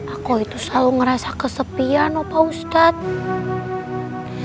aku itu selalu ngerasa kesepian opa ustadz